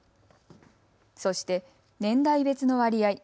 そして年代別の割合。